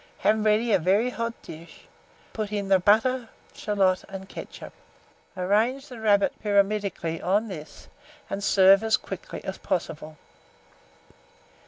Have ready a very hot dish, put in the butter, shalot, and ketchup; arrange the rabbit pyramidically on this, and serve as quickly as possible.